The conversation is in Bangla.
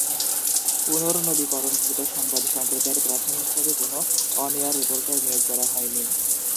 পুনর্নবীকরণকৃত সংবাদ সম্প্রচারে প্রাথমিকভাবে কোন অন-এয়ার রিপোর্টার নিয়োগ করা হয়নি।